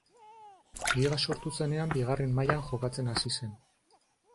Liga sortu zenean bigarren mailan jokatzen hasi zen.